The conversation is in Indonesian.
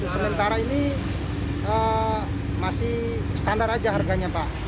sementara ini masih standar aja harganya pak